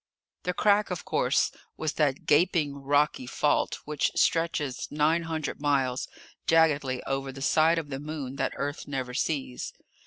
The Crack, of course, was that gaping rocky fault which stretches nine hundred miles, jaggedly, over the side of the Moon that Earth never sees.